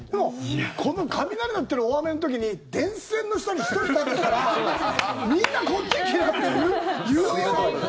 この雷なんてのは大雨の時に電線の下に１人立ってたらみんな、こっち来なって言うよ。